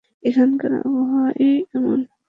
এখানকার আবহাওয়াটাই এমন।